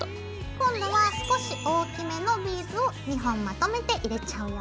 今度は少し大きめのビーズを２本まとめて入れちゃうよ。